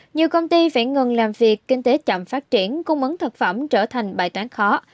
nhiều công ty phải ngừng làm việc kinh tế chậm phát triển cung ứng thực phẩm trở thành bài toán khó